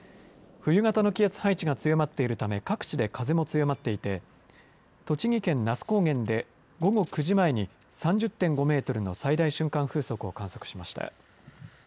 冬型の気圧配置が強まっているため各地で風も強まっていて栃木県那須高原で午後９時前に３０．５メートルの最大瞬間風速を観測しました。